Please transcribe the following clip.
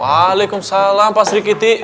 walaikumsalam pasri kitty